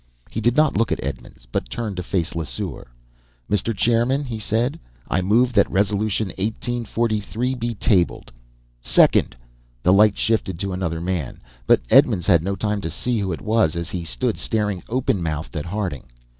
He did not look at Edmonds, but turned to face Lesseur. "Mr. Chairman," he said, "I move that Resolution 1843 be tabled!" "Second!" The light shifted to another man, but Edmonds had no time to see who it was as he stood staring open mouthed at Harding.